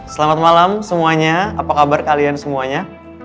selamat malam semuanya apa kabar kalian semuanya